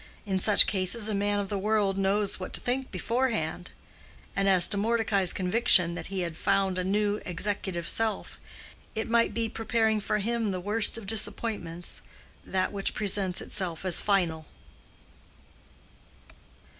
In such cases a man of the world knows what to think beforehand. And as to Mordecai's conviction that he had found a new executive self, it might be preparing for him the worst of disappointments—that which presents itself as final."